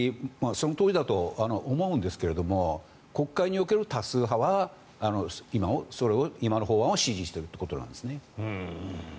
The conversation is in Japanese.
そのとおりだと思うんですが国会における多数派は今の法案を支持しているということです。